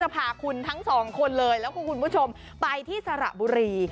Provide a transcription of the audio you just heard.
พาคุณทั้งสองคนเลยแล้วก็คุณผู้ชมไปที่สระบุรี